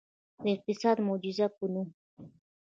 د اقتصادي معجزې په نوم.